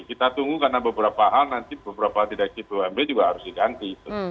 kita tunggu karena beberapa hal nanti beberapa tidak di bumd juga harus diganti